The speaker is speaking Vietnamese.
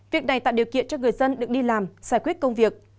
việc này tạo điều kiện cho người dân được đi làm giải quyết công việc